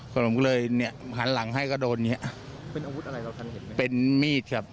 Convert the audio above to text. ผมก็เลยเนี่ยหันหลังให้ก็โดนเนี้ยเป็นอาวุธอะไรเราคันเห็นเป็นมีดครับ